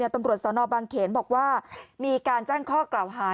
ตำรวจสนบางเขนบอกว่ามีการแจ้งข้อกล่าวหา